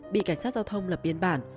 bị cảnh sát giao thông lập biên bản